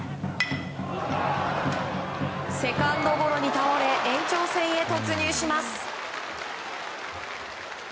セカンドゴロに倒れ延長戦へ突入します。